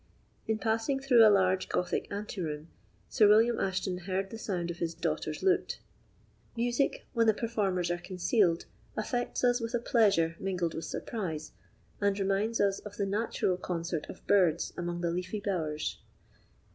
In passing through a large Gothic ante room, Sir William Ashton heard the sound of his daughter's lute. Music, when the performers are concealed, affects us with a pleasure mingled with surprise, and reminds us of the natural concert of birds among the leafy bowers.